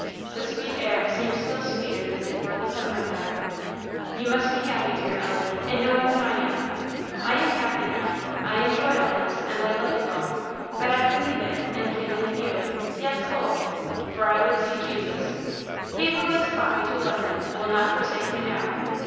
The sweet air seemed still sweeter than before the sun went down. "You must be happy, dear Ellie, in knowing that I am. I am happy now. I enjoy all this, and I love you all but I can leave it and can leave you yes, both for I would see Jesus! He who has taught me to love him, will not forsake me now.